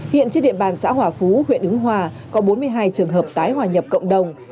hiện trên địa bàn xã hòa phú huyện ứng hòa có bốn mươi hai trường hợp tái hòa nhập cộng đồng